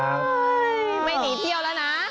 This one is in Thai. ไม่หนีเที่ยวแล้วนะ